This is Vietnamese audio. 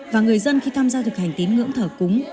và người dân khi tham gia thực hành tín ngưỡng thờ cúng